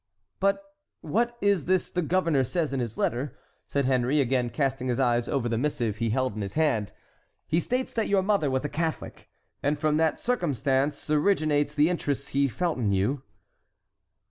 "But what is this the governor says in his letter?" said Henry, again casting his eyes over the missive he held in his hand. "He states that your mother was a Catholic, and from that circumstance originates the interest he felt in you."